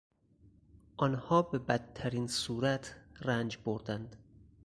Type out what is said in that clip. آنها به بدترین صورت رنج بردند.